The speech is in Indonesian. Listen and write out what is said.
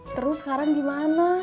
terus sekarang gimana